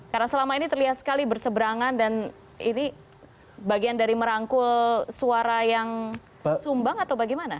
karena selama ini terlihat sekali bersebrangan dan ini bagian dari merangkul suara yang sumbang atau bagaimana